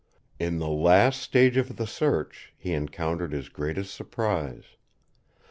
In the last stage of the search he encountered his greatest surprise.